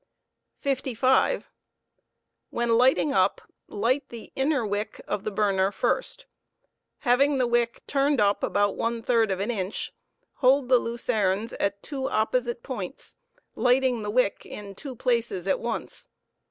xigMinfr 55. When lighting up, light, the inner wick of the burner first Having the wick turned up about one third of an 4 inch, hold the lucernes at two opposite points, lighting the wick in two places at once.